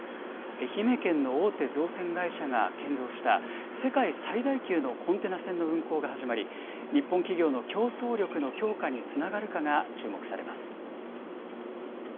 愛媛県の大手造船会社が建造した世界最大級のコンテナ船の運航が始まり、日本企業の競争力の強化につながるかが注目されます。